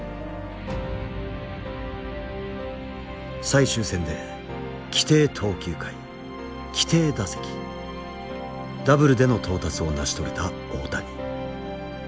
最終戦で規定投球回規定打席ダブルでの到達を成し遂げた大谷。